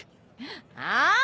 ああ？